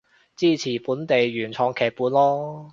支持本地原創劇本囉